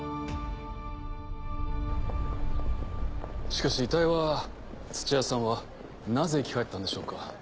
しかし遺体は土屋さんはなぜ生き返ったんでしょうか？